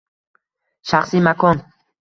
Shaxsiy makon